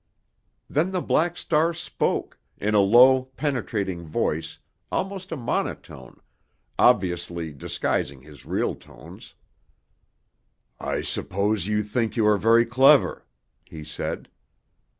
Then the Black Star spoke—in a low, penetrating voice, almost a monotone, obviously disguising his real tones. "I suppose you think you are very clever?" he said.